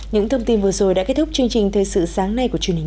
những thông tin vừa rồi đã kết thúc chương trình thời sự sáng nay của truyền hình